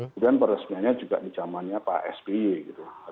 kemudian peresmianya juga di zamannya pak spy gitu